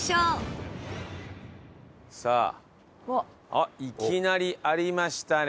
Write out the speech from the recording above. あっいきなりありましたね